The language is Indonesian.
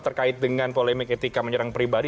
terkait dengan polemik etika menyerang pribadi